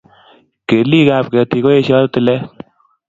kelikap ketik koeshoi tilet